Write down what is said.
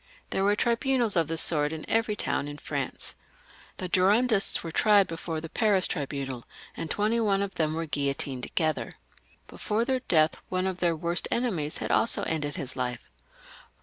There were tribunals of this sort in every town in France. The Girondists were tried before the Paris tribunal, and twenty one of them were guillotined together. Before their death one of their worst enemies had also ended his life.